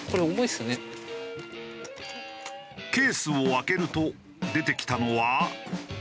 ケースを開けると出てきたのは。